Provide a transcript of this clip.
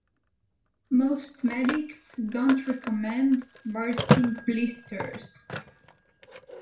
Most medics don't recommend bursting blisters